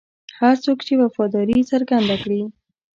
هر څوک چې وفاداري څرګنده کړي.